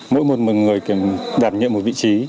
mỗi một người đảm nhiệm một vị trí